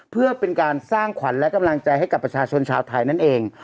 เพื่อเป็นการสร้างขวัญและกำลังใจให้กับประชาชนชาวไทยนั่นเอง